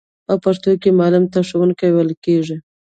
په پښتو کې معلم ته ښوونکی ویل کیږی.